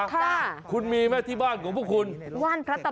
น้องเบตองคุณชิสาคุณมีไหมที่บ้านของพวกคุณคุณมีไหมที่บ้านของพวกคุณ